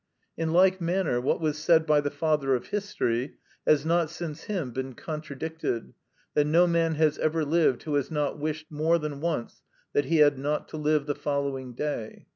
In like manner, what was said by the father of history(71) has not since him been contradicted, that no man has ever lived who has not wished more than once that he had not to live the following day.